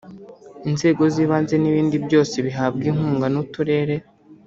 inzego z’ibanze n’ibindi byose bihabwa inkunga n’uturere